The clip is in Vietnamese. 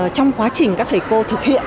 trong quá trình các thầy cô thực hiện